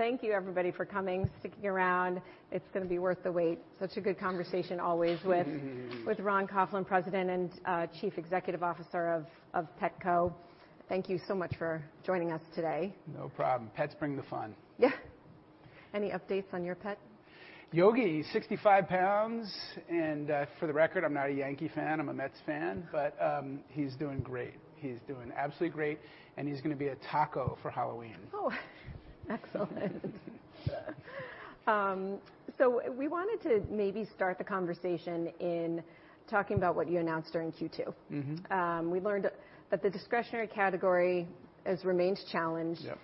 Thank you, everybody, for coming, sticking around. It's gonna be worth the wait. Such a good conversation always with Ron Coughlin, President and Chief Executive Officer of Petco. Thank you so much for joining us today. No problem. Pets bring the fun. Yeah. Any updates on your pet? Yogi, 65 lbs, and, for the record, I'm not a Yankee fan, I'm a Mets fan. But, he's doing great. He's doing absolutely great, and he's gonna be a taco for Halloween. Oh, excellent. So we wanted to maybe start the conversation in talking about what you announced during Q2. We learned that the discretionary category has remained challenged- Yep.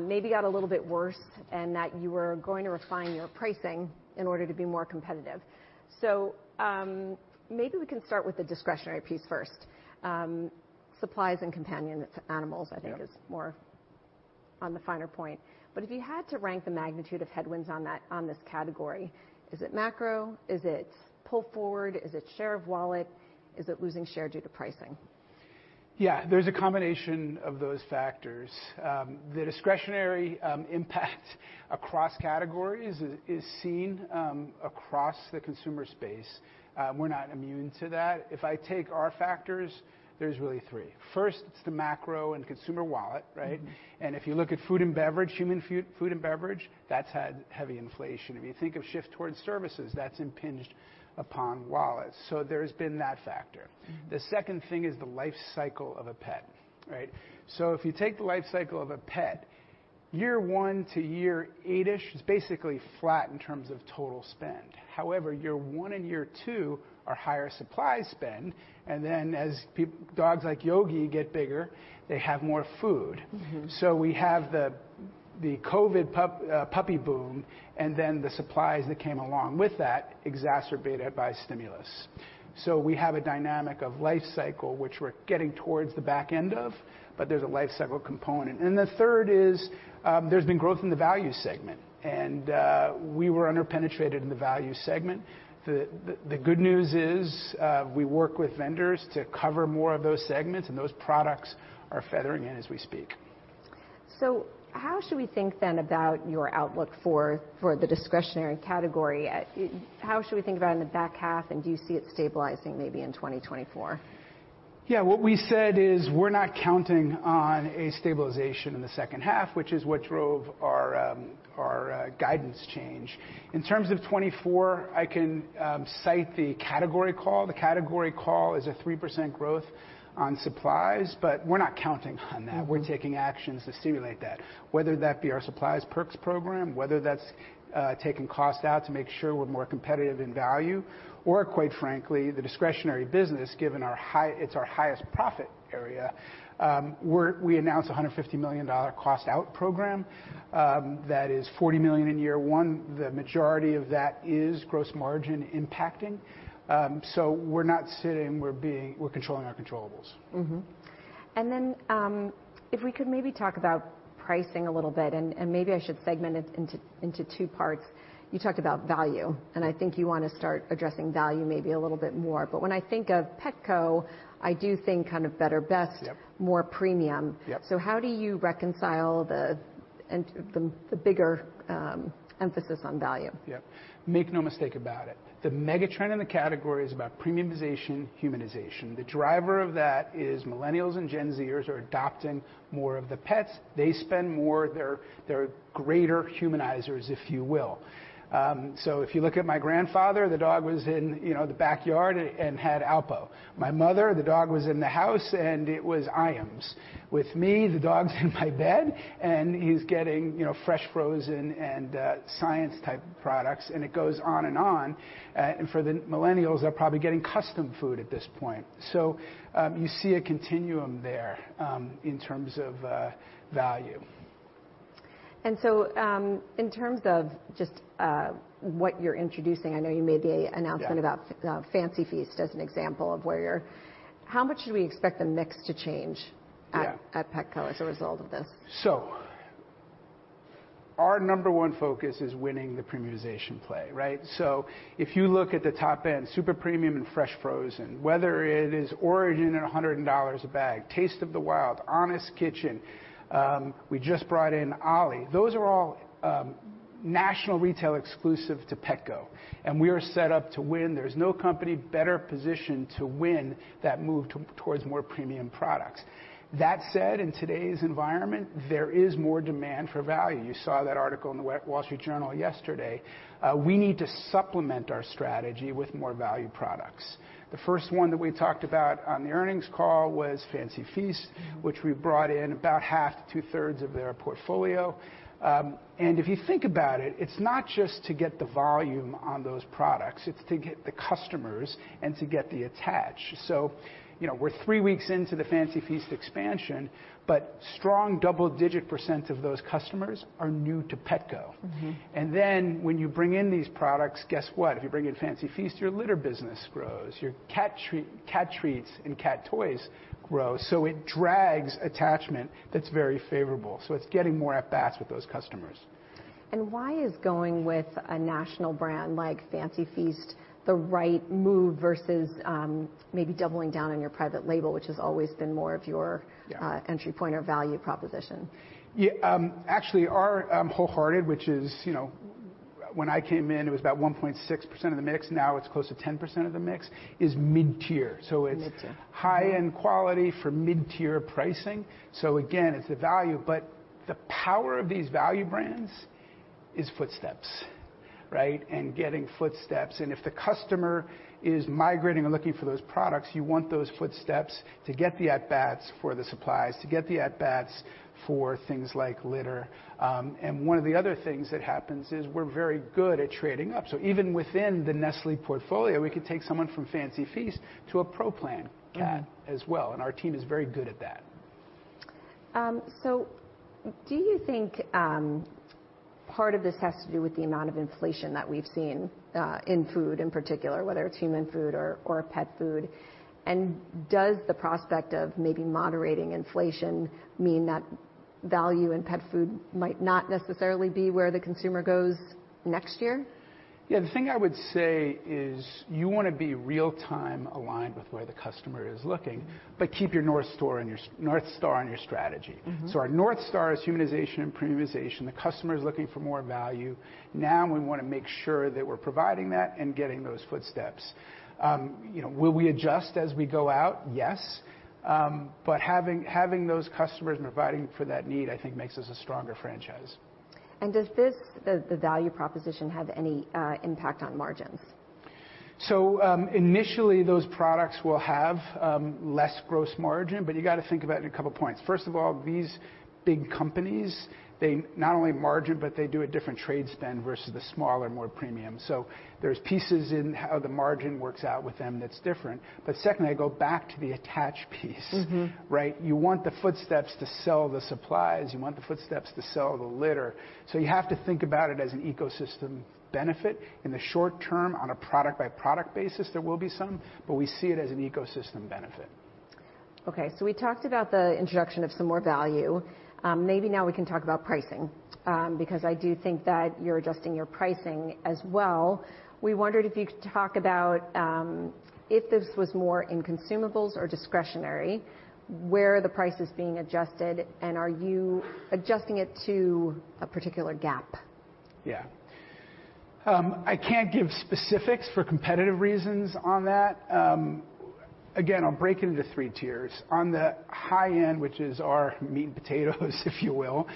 Maybe got a little bit worse, and that you were going to refine your pricing in order to be more competitive. So, maybe we can start with the discretionary piece first. Supplies and companion animals, I think- Yeah... Is more on the finer point. But if you had to rank the magnitude of headwinds on that, on this category, is it macro? Is it pull forward? Is it share of wallet? Is it losing share due to pricing? Yeah, there's a combination of those factors. The discretionary impact across categories is seen across the consumer space. We're not immune to that. If I take our factors, there's really three. First, it's the macro and consumer wallet, right? If you look at food and beverage, human food, food and beverage, that's had heavy inflation. If you think of shift towards services, that's impinged upon wallets. There's been that factor. The second thing is the life cycle of a pet, right? So if you take the life cycle of a pet, year one to year 8-ish is basically flat in terms of total spend. However, year one and year two are higher supply spend, and then as dogs like Yogi get bigger, they have more food. So we have the COVID puppy boom, and then the supplies that came along with that, exacerbated by stimulus. So we have a dynamic of life cycle, which we're getting towards the back end of, but there's a life cycle component. And the third is, there's been growth in the value segment, and we were under-penetrated in the value segment. The good news is, we work with vendors to cover more of those segments, and those products are feathering in as we speak. So how should we think then about your outlook for the discretionary category? How should we think about it in the back half, and do you see it stabilizing maybe in 2024? Yeah. What we said is, we're not counting on a stabilization in the second half, which is what drove our guidance change. In terms of 2024, I can cite the category call. The category call is a 3% growth on supplies, but we're not counting on that. We're taking actions to stimulate that, whether that be our supplies perks program, whether that's taking cost out to make sure we're more competitive in value, or quite frankly, the discretionary business, given our high... It's our highest profit area. We're—we announced a $150 million cost out program. That is $40 million in year one. The majority of that is gross margin impacting. So we're not sitting, we're being... We're controlling our controllables. Mm-hmm. Then, if we could maybe talk about pricing a little bit, and maybe I should segment it into two parts. You talked about value, and I think you wanna start addressing value maybe a little bit more. But when I think of Petco, I do think kind of better, best- Yep. -More premium. Yep. So how do you reconcile the... and the bigger emphasis on value? Yep. Make no mistake about it, the mega trend in the category is about premiumization, humanization. The driver of that is Millennials and Gen Zers are adopting more of the pets. They spend more. They're, they're greater humanizers, if you will. So if you look at my grandfather, the dog was in, you know, the backyard and had Alpo. My mother, the dog was in the house, and it was Iams. With me, the dog's in my bed, and he's getting, you know, fresh, frozen, and science-type products, and it goes on and on. And for the Millennials, they're probably getting custom food at this point. So you see a continuum there, in terms of value. So, in terms of just what you're introducing, I know you made the announcement about- Yeah... Fancy Feast as an example of where you're... How much should we expect the mix to change? Yeah At Petco as a result of this? Our number one focus is winning the premiumization play, right? If you look at the top end, super premium and fresh frozen, whether it is ORIJEN at $100 a bag, Taste of the Wild, Honest Kitchen, we just brought in Ollie. Those are all national retail exclusive to Petco, and we are set up to win. There's no company better positioned to win that move towards more premium products. That said, in today's environment, there is more demand for value. You saw that article in the Wall Street Journal yesterday. We need to supplement our strategy with more value products. The first one that we talked about on the earnings call was Fancy Feast- -which we brought in about half to two-thirds of their portfolio. And if you think about it, it's not just to get the volume on those products, it's to get the customers and to get the attach. So, you know, we're three weeks into the Fancy Feast expansion, but strong double-digit % of those customers are new to Petco. And then, when you bring in these products, guess what? If you bring in Fancy Feast, your litter business grows, your cat treat, cat treats and cat toys grow, so it drags attachment that's very favorable. So it's getting more at bats with those customers. Why is going with a national brand like Fancy Feast the right move versus maybe doubling down on your private label, which has always been more of your- Yeah... entry point or value proposition? Yeah, actually, our WholeHearted, which is, you know, when I came in, it was about 1.6% of the mix, now it's close to 10% of the mix, is mid-tier. Mid-tier. So it's high-end quality for mid-tier pricing. So again, it's a value, but the power of these value brands is footsteps, right? And getting footsteps, and if the customer is migrating and looking for those products, you want those footsteps to get the at-bats for the supplies, to get the at-bats for things like litter. And one of the other things that happens is we're very good at trading up. So even within the Nestlé portfolio, we could take someone from Fancy Feast to a Pro Plan cat as well, and our team is very good at that. So do you think, part of this has to do with the amount of inflation that we've seen, in food, in particular, whether it's human food or, or pet food? And does the prospect of maybe moderating inflation mean that value in pet food might not necessarily be where the consumer goes next year? Yeah, the thing I would say is, you wanna be real-time aligned with where the customer is looking, but keep your North store in your-- North Star in your strategy. So our North Star is humanization and premiumization. The customer is looking for more value. Now, we wanna make sure that we're providing that and getting those footsteps. You know, will we adjust as we go out? Yes. But having, having those customers and providing for that need, I think makes us a stronger franchise. Does this, the value proposition, have any impact on margins? So, initially, those products will have less gross margin, but you gotta think about it in a couple points. First of all, these big companies, they not only margin, but they do a different trade spend versus the smaller, more premium. So there's pieces in how the margin works out with them that's different. But secondly, I go back to the attach piece. Right? You want the footsteps to sell the supplies, you want the footsteps to sell the litter, so you have to think about it as an ecosystem benefit. In the short term, on a product-by-product basis, there will be some, but we see it as an ecosystem benefit. Okay, so we talked about the introduction of some more value. Maybe now we can talk about pricing, because I do think that you're adjusting your pricing as well. We wondered if you could talk about, if this was more in consumables or discretionary, where are the prices being adjusted, and are you adjusting it to a particular gap? Yeah. I can't give specifics for competitive reasons on that. Again, I'll break it into three tiers. On the high end, which is our meat and potatoes, if you will,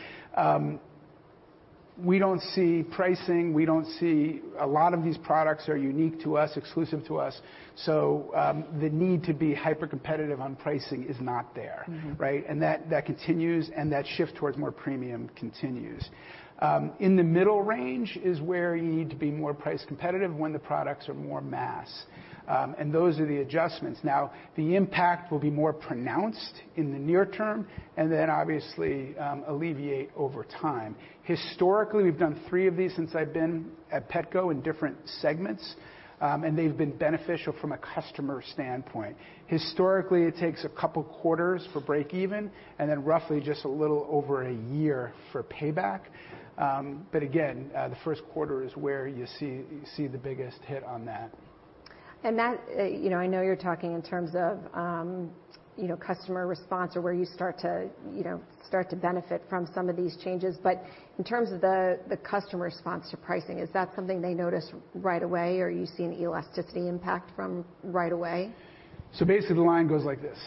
we don't see pricing, we don't see... a lot of these products are unique to us, exclusive to us, so, the need to be hypercompetitive on pricing is not there. Right? And that, that continues, and that shift towards more premium continues. In the middle range is where you need to be more price competitive when the products are more mass. And those are the adjustments. Now, the impact will be more pronounced in the near term, and then, obviously, alleviate over time. Historically, we've done three of these since I've been at Petco in different segments, and they've been beneficial from a customer standpoint. Historically, it takes a couple quarters for break even, and then roughly just a little over a year for payback. But again, the first quarter is where you see, you see the biggest hit on that. And that, you know, I know you're talking in terms of, you know, customer response or where you start to, you know, start to benefit from some of these changes. But in terms of the customer response to pricing, is that something they notice right away, or are you seeing elasticity impact from right away? So basically, the line goes like this....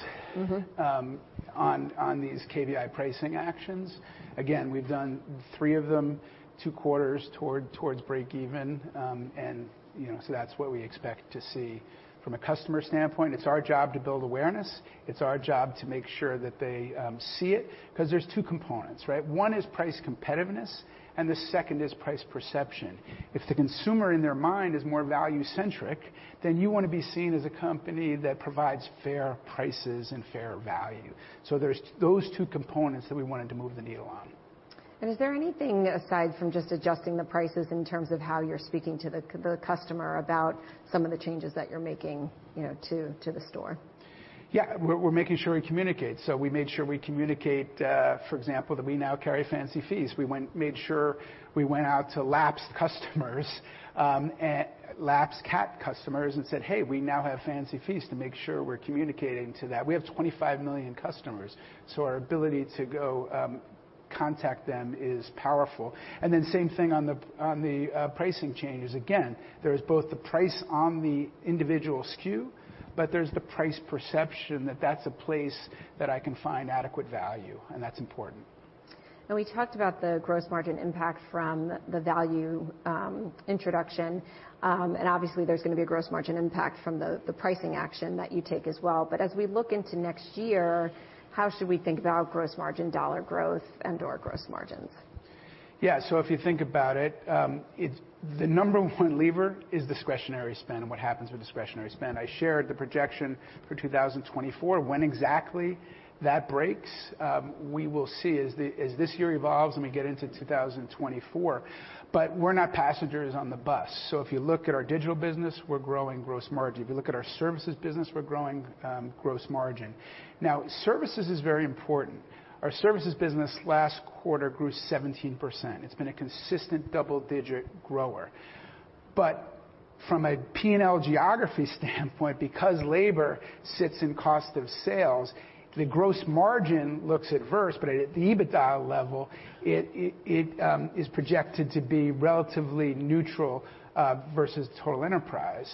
on these KVI pricing actions. Again, we've done three of them, two quarters towards break even. And, you know, so that's what we expect to see. From a customer standpoint, it's our job to build awareness, it's our job to make sure that they see it, 'cause there's two components, right? 1 is price competitiveness, and the second is price perception. If the consumer, in their mind, is more value-centric, then you want to be seen as a company that provides fair prices and fair value. So there's those 2 components that we wanted to move the needle on. Is there anything, aside from just adjusting the prices in terms of how you're speaking to the customer about some of the changes that you're making, you know, to the store? Yeah, we're making sure we communicate. So we made sure we communicate, for example, that we now carry Fancy Feast. We made sure we went out to lapsed cat customers and said, "Hey, we now have Fancy Feast," to make sure we're communicating to them. We have 25 million customers, so our ability to go contact them is powerful. And then same thing on the pricing changes. Again, there is both the price on the individual SKU, but there's the price perception that that's a place that I can find adequate value, and that's important. Now, we talked about the gross margin impact from the value introduction. And obviously, there's gonna be a gross margin impact from the pricing action that you take as well. But as we look into next year, how should we think about gross margin, dollar growth, and/or gross margins? Yeah, so if you think about it, it's the number one lever is discretionary spend, and what happens with discretionary spend. I shared the projection for 2024. When exactly that breaks, we will see as this year evolves, and we get into 2024. But we're not passengers on the bus. So if you look at our digital business, we're growing gross margin. If you look at our services business, we're growing gross margin. Now, services is very important. Our services business last quarter grew 17%. It's been a consistent double-digit grower... but from a P&L geography standpoint, because labor sits in cost of sales, the gross margin looks adverse, but at the EBITDA level, it is projected to be relatively neutral versus total enterprise.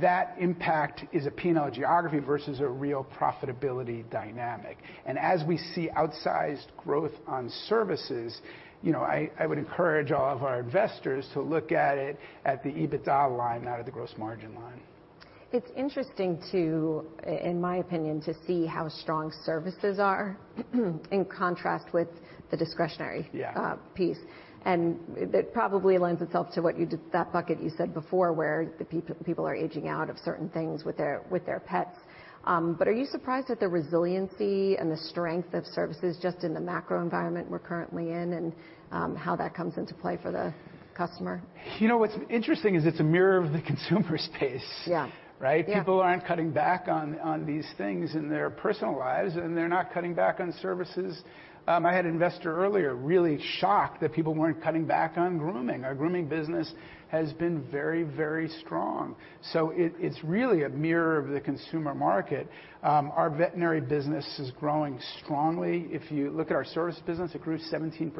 That impact is a P&L geography versus a real profitability dynamic. As we see outsized growth on services, you know, I would encourage all of our investors to look at it at the EBITDA line, not at the gross margin line. It's interesting to, in my opinion, to see how strong services are, in contrast with the discretionary- Yeah piece. And it probably lends itself to what you just... That bucket you said before, where the people are aging out of certain things with their, with their pets. But are you surprised at the resiliency and the strength of services just in the macro environment we're currently in, and, how that comes into play for the customer? You know, what's interesting is it's a mirror of the consumer space. Yeah. Right? Yeah. People aren't cutting back on these things in their personal lives, and they're not cutting back on services. I had an investor earlier, really shocked that people weren't cutting back on grooming. Our grooming business has been very, very strong. So it's really a mirror of the consumer market. Our veterinary business is growing strongly. If you look at our service business, it grew 17%.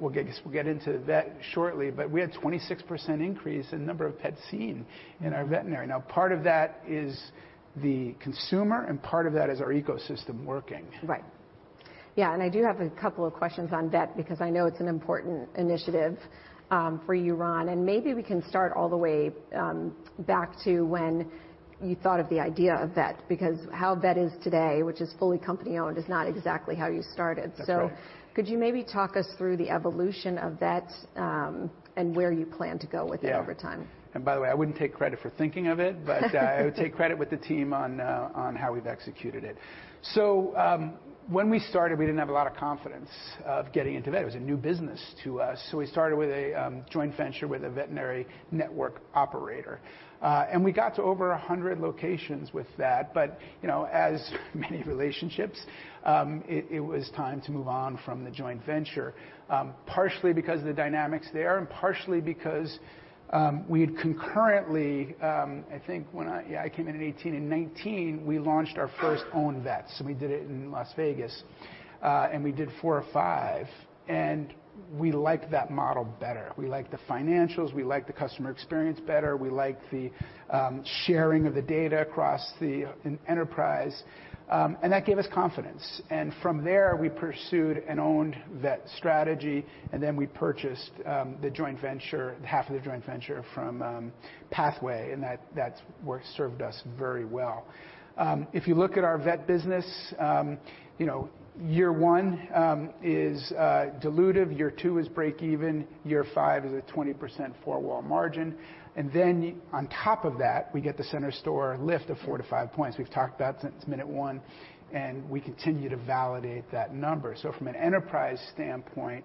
We'll get into vet shortly, but we had 26% increase in number of pets seen in our veterinary. Now, part of that is the consumer, and part of that is our ecosystem working. Right. Yeah, and I do have a couple of questions on vet, because I know it's an important initiative for you, Ron, and maybe we can start all the way back to when you thought of the idea of vet, because how vet is today, which is fully company-owned, is not exactly how you started. That's right. Could you maybe talk us through the evolution of vet, and where you plan to go with it? Yeah -Over time? By the way, I wouldn't take credit for thinking of it, but I would take credit with the team on how we've executed it. So, when we started, we didn't have a lot of confidence of getting into vet. It was a new business to us, so we started with a joint venture with a veterinary network operator. And we got to over 100 locations with that, but, you know, as many relationships, it was time to move on from the joint venture. Partially because of the dynamics there, and partially because we had concurrently, Yeah, I came in in 2018. In 2019, we launched our first own vet, so we did it in Las Vegas, and we did four or five, and we liked that model better. We liked the financials, we liked the customer experience better, we liked the sharing of the data across an enterprise. That gave us confidence, and from there, we pursued an owned vet strategy, and then we purchased the joint venture, half of the joint venture from Pathway, and that's worked, served us very well. If you look at our vet business, you know, year one is dilutive, year two is break even, year five is a 20% four-wall margin. And then on top of that, we get the center store lift of 4-5 points. We've talked about it since minute one, and we continue to validate that number. From an enterprise standpoint,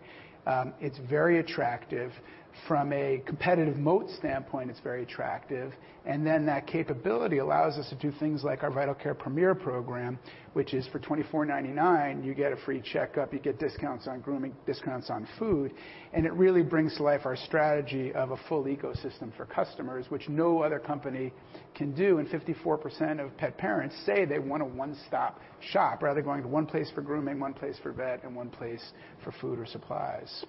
it's very attractive. From a competitive moat standpoint, it's very attractive. Then that capability allows us to do things like our Vital Care Premier program, which is for $24.99, you get a free checkup, you get discounts on grooming, discounts on food, and it really brings to life our strategy of a full ecosystem for customers, which no other company can do, and 54% of pet parents say they want a one-stop shop. Rather going to one place for grooming, one place for vet, and one place for food or supplies.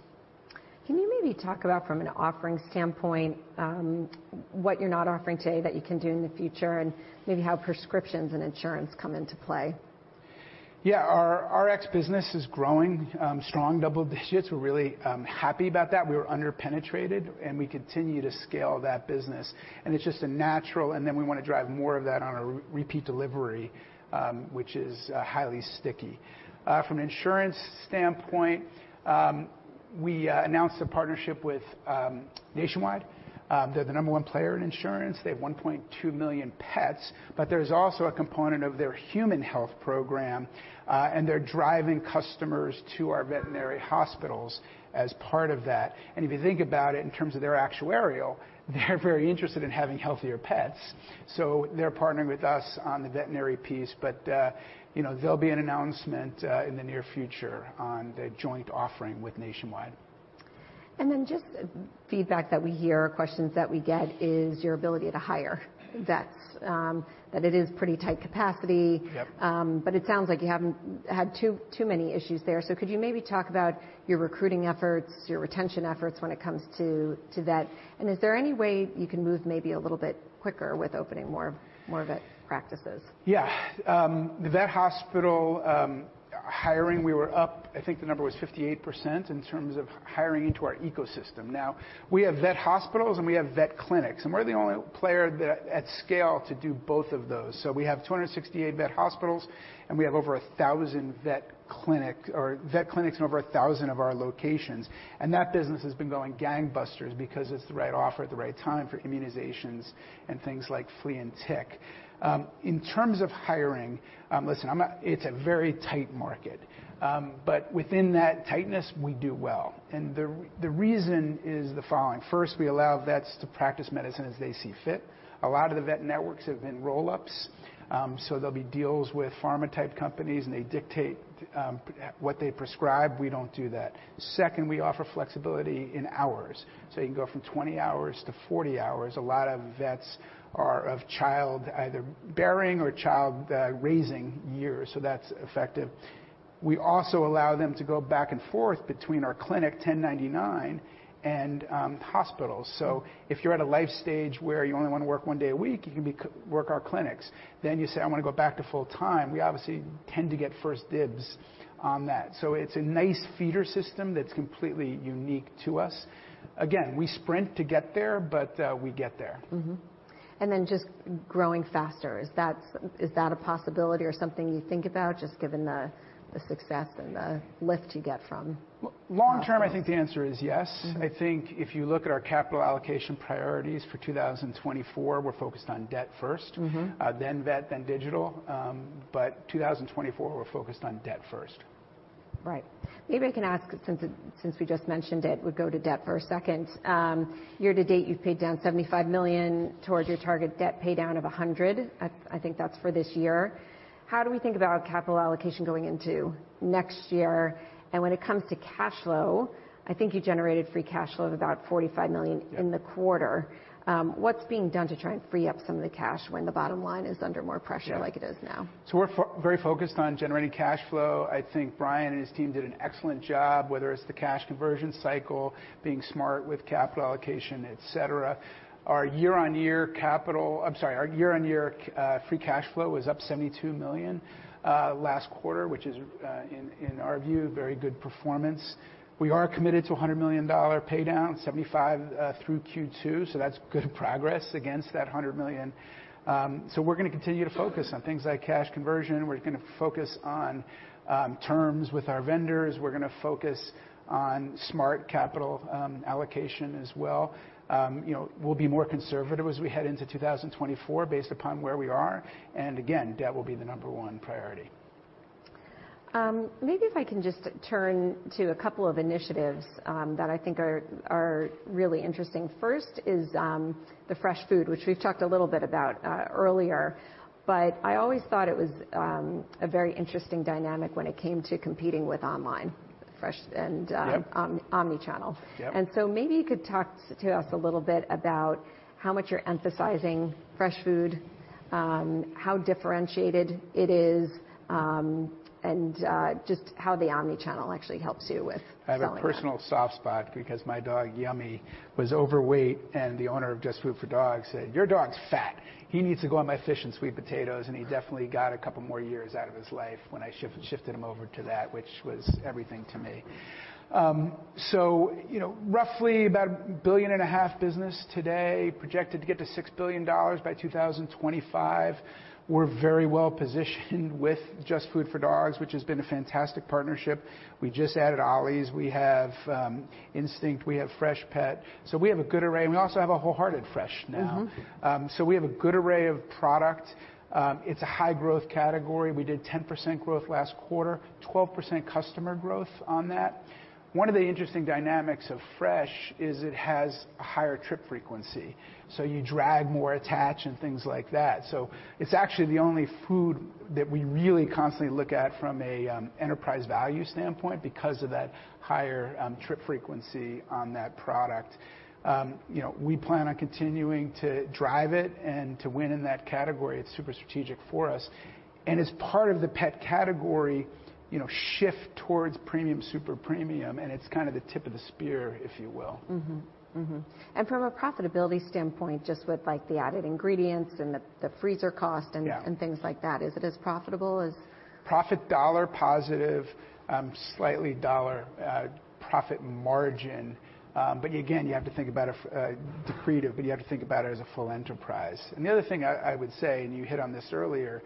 Can you maybe talk about, from an offerings standpoint, what you're not offering today that you can do in the future, and maybe how prescriptions and insurance come into play? Yeah. Our Rx business is growing strong double digits. We're really happy about that. We were under-penetrated, and we continue to scale that business, and it's just a natural... And then we want to drive more of that on a Repeat Delivery, which is highly sticky. From an insurance standpoint, we announced a partnership with Nationwide. They're the number one player in insurance. They have 1.2 million pets, but there's also a component of their human health program, and they're driving customers to our veterinary hospitals as part of that. And if you think about it in terms of their actuarial, they're very interested in having healthier pets, so they're partnering with us on the veterinary piece. But you know, there'll be an announcement in the near future on the joint offering with Nationwide. Then, just feedback that we hear or questions that we get is your ability to hire vets. That it is pretty tight capacity. Yep. But it sounds like you haven't had too many issues there. So could you maybe talk about your recruiting efforts, your retention efforts when it comes to that? And is there any way you can move maybe a little bit quicker with opening more vet practices? Yeah. The vet hospital hiring, we were up, I think the number was 58% in terms of hiring into our ecosystem. Now, we have vet hospitals and we have vet clinics, and we're the only player that at scale to do both of those. So we have 268 vet hospitals, and we have over a thousand vet clinic, or vet clinics in over a thousand of our locations. And that business has been going gangbusters because it's the right offer at the right time for immunizations and things like flea and tick. In terms of hiring, listen, I'm not— It's a very tight market. But within that tightness, we do well, and the reason is the following: First, we allow vets to practice medicine as they see fit. A lot of the vet networks have been roll-ups, so there'll be deals with pharma type companies, and they dictate what they prescribe. We don't do that. Second, we offer flexibility in hours, so you can go from 20 hours to 40 hours. A lot of vets are of child either bearing or child raising years, so that's effective. We also allow them to go back and forth between our clinic, 1099, and hospitals. So if you're at a life stage where you only want to work one day a week, you can work our clinics. Then you say, "I want to go back to full-time," we obviously tend to get first dibs on that. So it's a nice feeder system that's completely unique to us. Again, we sprint to get there, but we get there. And then just growing faster, is that a possibility or something you think about, just given the success and the lift you get from- Long term, I think the answer is yes. I think if you look at our capital allocation priorities for 2024, we're focused on debt first-... then vet, then digital. But 2024, we're focused on debt first. Right. Maybe I can ask, since we just mentioned it, we go to debt for a second. Year to date, you've paid down $75 million towards your target debt paydown of $100 million. I think that's for this year. How do we think about capital allocation going into next year? And when it comes to cash flow, I think you generated free cash flow of about $45 million- Yeah... in the quarter. What's being done to try and free up some of the cash when the bottom line is under more pressure? Yeah... Like it is now? So we're very focused on generating cash flow. I think Brian and his team did an excellent job, whether it's the cash conversion cycle, being smart with capital allocation, et cetera. Our year-on-year free cash flow was up $72 million last quarter, which is in our view very good performance. We are committed to a $100 million paydown, $75 million through Q2, so that's good progress against that $100 million. So we're gonna continue to focus on things like cash conversion. We're gonna focus on terms with our vendors. We're gonna focus on smart capital allocation as well. You know, we'll be more conservative as we head into 2024 based upon where we are, and again, debt will be the number one priority. Maybe if I can just turn to a couple of initiatives that I think are really interesting. First is the fresh food, which we've talked a little bit about earlier, but I always thought it was a very interesting dynamic when it came to competing with online fresh and Yep... Omni-channel. Yep. Maybe you could talk to us a little bit about how much you're emphasizing fresh food, how differentiated it is, and just how the omni-channel actually helps you with selling that. I have a personal soft spot because my dog, Yummy, was overweight, and the owner of JustFoodForDogs said, "Your dog's fat! He needs to go on my fish and sweet potatoes," and he definitely got a couple more years out of his life when I shifted him over to that, which was everything to me. So you know, roughly about a $1.5 billion business today, projected to get to $6 billion by 2025. We're very well-positioned with JustFoodForDogs, which has been a fantastic partnership. We just added Ollie's. We have Instinct. We have Freshpet. So we have a good array, and we also have a WholeHearted Fresh now. We have a good array of product. It's a high-growth category. We did 10% growth last quarter, 12% customer growth on that. One of the interesting dynamics of fresh is it has a higher trip frequency, so you drag more attach and things like that. So it's actually the only food that we really constantly look at from an enterprise value standpoint because of that higher trip frequency on that product. You know, we plan on continuing to drive it and to win in that category. It's super strategic for us. As part of the pet category, you know, shift towards premium, super premium, and it's kind of the tip of the spear, if you will. And from a profitability standpoint, just with, like, the added ingredients and the, the freezer cost- Yeah... And things like that, is it as profitable as? Profit dollar positive, slightly dollar profit margin. But again, you have to think about it detractive, but you have to think about it as a full enterprise. And the other thing I, I would say, and you hit on this earlier,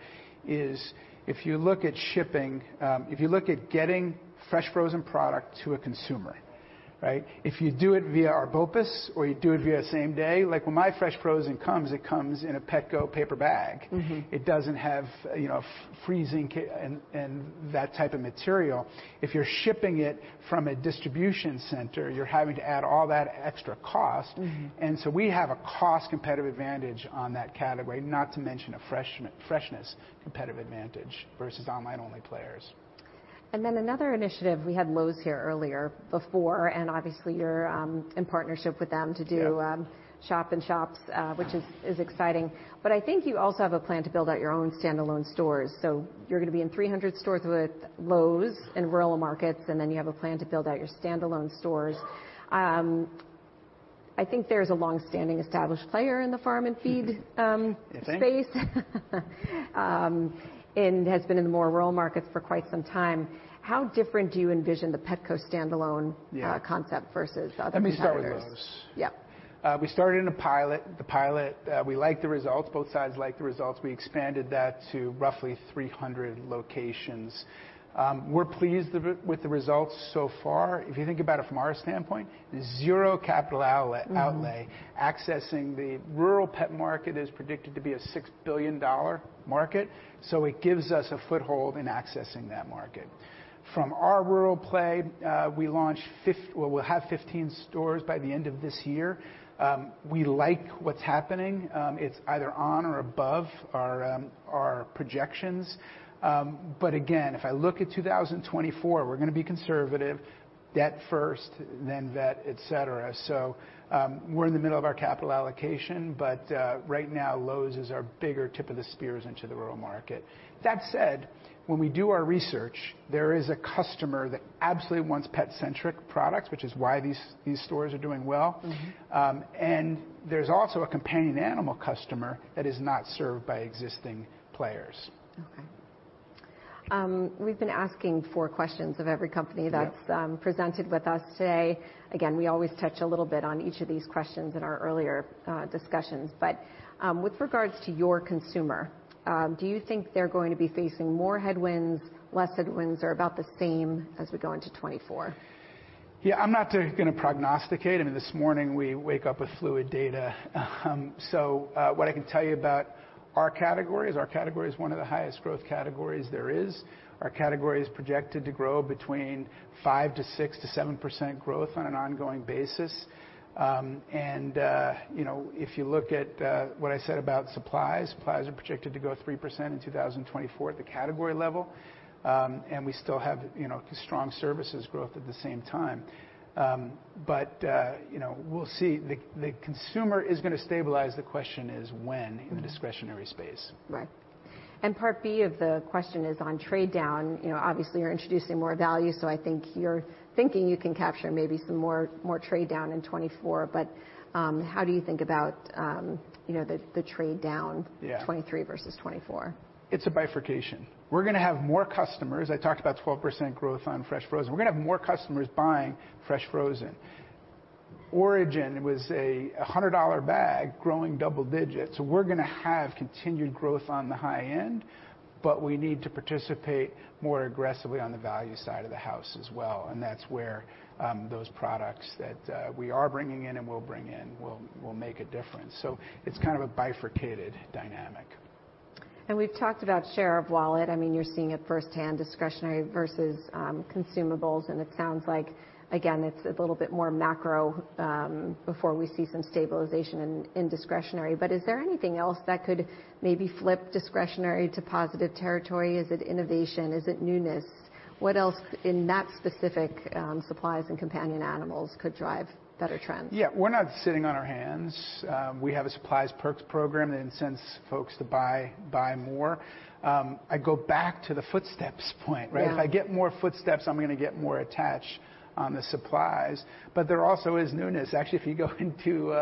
is if you look at shipping. If you look at getting fresh frozen product to a consumer, right? If you do it via our BOPUS or you do it via same day, like when my fresh frozen comes, it comes in a Petco paper bag. It doesn't have, you know, freezing and that type of material. If you're shipping it from a distribution center, you're having to add all that extra cost. We have a cost competitive advantage on that category, not to mention a freshness competitive advantage versus online-only players. Then another initiative, we had Lowe's here earlier, before, and obviously you're in partnership with them to do- Yeah... Shop in shops, which is exciting. But I think you also have a plan to build out your own standalone stores. So you're gonna be in 300 stores with Lowe's in rural markets, and then you have a plan to build out your standalone stores. I think there's a long-standing established player in the farm and feed, You think?... Space. Has been in the more rural markets for quite some time. How different do you envision the Petco standalone- Yeah... Concept versus other competitors? Let me start with those. Yeah. We started in a pilot. The pilot. We liked the results. Both sides liked the results. We expanded that to roughly 300 locations. We're pleased with it, with the results so far. If you think about it from our standpoint, zero capital outlay-... Accessing the rural pet market is predicted to be a $6 billion market, so it gives us a foothold in accessing that market. From our rural play, well, we'll have 15 stores by the end of this year. We like what's happening. It's either on or above our, our projections. But again, if I look at 2024, we're gonna be conservative, debt first, then vet, et cetera. So, we're in the middle of our capital allocation, but, right now, Lowe's is our bigger tip of the spears into the rural market. That said, when we do our research, there is a customer that absolutely wants pet-centric products, which is why these, these stores are doing well. There's also a companion animal customer that is not served by existing players. Okay, we've been asking four questions of every company- Yep. That's presented with us today. Again, we always touch a little bit on each of these questions in our earlier discussions. But with regards to your consumer, do you think they're going to be facing more headwinds, less headwinds, or about the same as we go into 2024? Yeah, I'm not gonna prognosticate. I mean, this morning we wake up with fluid data. So, what I can tell you about our categories, our category is one of the highest growth categories there is. Our category is projected to grow between 5 to 6 to 7% growth on an ongoing basis. And, you know, if you look at what I said about supplies, supplies are projected to grow 3% in 2024 at the category level. And we still have, you know, strong services growth at the same time. But, you know, we'll see. The consumer is gonna stabilize, the question is when, in the discretionary space. Right. Part B of the question is on trade down. You know, obviously you're introducing more value, so I think you're thinking you can capture maybe some more trade down in 2024. But how do you think about, you know, the trade down- Yeah. 2023 versus 2024? It's a bifurcation. We're gonna have more customers. I talked about 12% growth on fresh frozen. We're gonna have more customers buying fresh frozen. ORIJEN was a $100 bag growing double digits, so we're gonna have continued growth on the high end, but we need to participate more aggressively on the value side of the house as well, and that's where those products that we are bringing in and will bring in will make a difference. So it's kind of a bifurcated dynamic. We've talked about share of wallet. I mean, you're seeing it firsthand, discretionary versus consumables, and it sounds like, again, it's a little bit more macro before we see some stabilization in discretionary. But is there anything else that could maybe flip discretionary to positive territory? Is it innovation? Is it newness? What else in that specific supplies and companion animals could drive better trends? Yeah, we're not sitting on our hands. We have a supplies perks program that incentivizes folks to buy, buy more. I go back to the footsteps point, right? Yeah. If I get more footsteps, I'm gonna get more attach on the supplies, but there also is newness. Actually, if you go into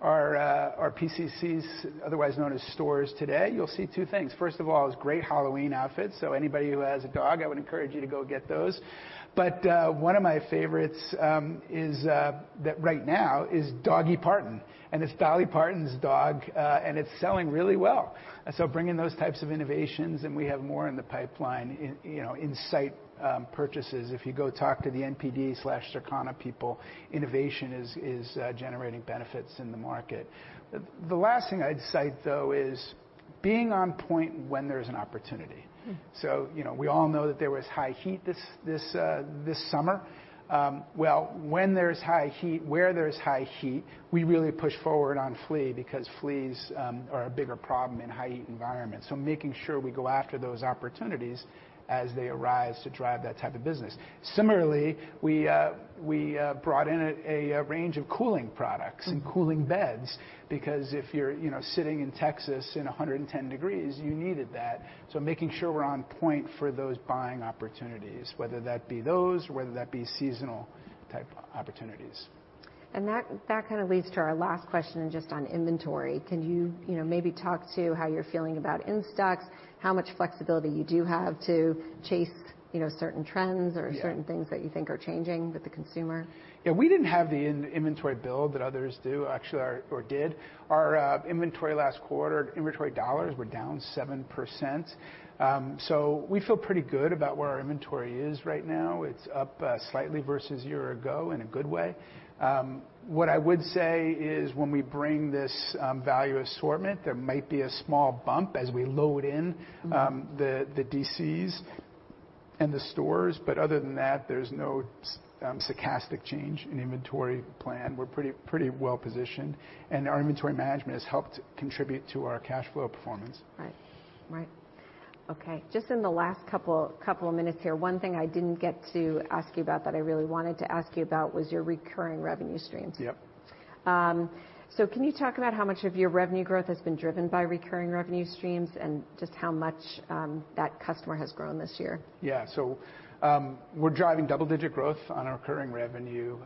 our PCCs, otherwise known as stores today, you'll see two things. First of all, is great Halloween outfits, so anybody who has a dog, I would encourage you to go get those. But one of my favorites is that right now is Doggy Parton, and it's Dolly Parton's dog, and it's selling really well. So bringing those types of innovations, and we have more in the pipeline, in, you know, in-store purchases. If you go talk to the NPD/Circana people, innovation is generating benefits in the market. The last thing I'd cite, though, is being on point when there's an opportunity. So, you know, we all know that there was high heat this summer. Well, when there's high heat, where there's high heat, we really push forward on flea because fleas are a bigger problem in high heat environments. So making sure we go after those opportunities as they arise to drive that type of business. Similarly, we brought in a range of cooling products- and cooling beds, because if you're, you know, sitting in Texas in 110 degrees, you needed that. So making sure we're on point for those buying opportunities, whether that be those or whether that be seasonal-type opportunities. And that kind of leads to our last question, just on inventory. Can you, you know, maybe talk to how you're feeling about in stocks, how much flexibility you do have to chase, you know, certain trends? Yeah Or certain things that you think are changing with the consumer? Yeah, we didn't have the inventory build that others do, actually, or did. Our inventory last quarter, inventory dollars were down 7%. So we feel pretty good about where our inventory is right now. It's up slightly versus a year ago, in a good way. What I would say is, when we bring this value assortment, there might be a small bump as we load in.... The DCs and the stores, but other than that, there's no stochastic change in inventory plan. We're pretty well positioned, and our inventory management has helped contribute to our cash flow performance. Right. Right. Okay, just in the last couple of minutes here, one thing I didn't get to ask you about that I really wanted to ask you about was your recurring revenue streams. Yep. So, can you talk about how much of your revenue growth has been driven by recurring revenue streams, and just how much that customer has grown this year? Yeah. So, we're driving double-digit growth on our recurring revenue.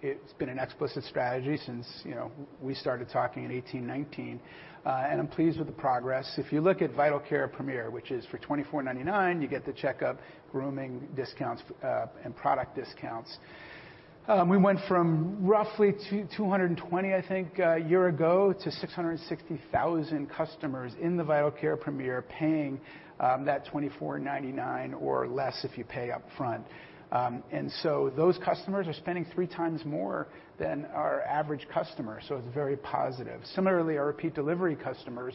It's been an explicit strategy since, you know, we started talking in 2018, 2019, and I'm pleased with the progress. If you look at Vital Care Premier, which is for $24.99, you get the checkup, grooming discounts, and product discounts. We went from roughly 220, I think, a year ago, to 660,000 customers in the Vital Care Premier paying that $24.99, or less if you pay upfront. And so those customers are spending 3 times more than our average customer, so it's very positive. Similarly, our Repeat Delivery customers,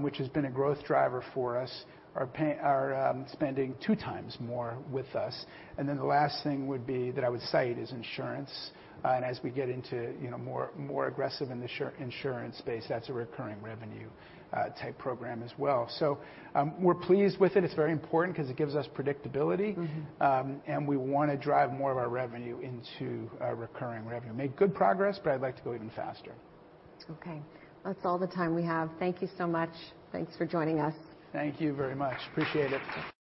which has been a growth driver for us, are spending 2 times more with us. And then the last thing would be, that I would cite, is insurance. And as we get into, you know, more, more aggressive in the insurance space, that's a recurring revenue type program as well. So, we're pleased with it. It's very important 'cause it gives us predictability. We want to drive more of our revenue into recurring revenue. Made good progress, but I'd like to go even faster. Okay. That's all the time we have. Thank you so much. Thanks for joining us. Thank you very much. Appreciate it.